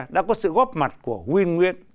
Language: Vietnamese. đã có sự góp mặt của huyên nguyên